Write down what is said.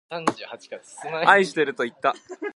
愛してるといった。